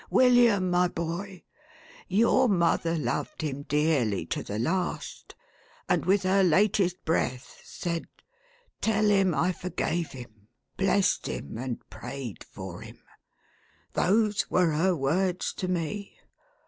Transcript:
AVilliam, my boy, your mother loved him dearly to the last, and with her latest breath said, 'Tell him I forgave him, blessed him, and prayed for him."1 Those were her words to me.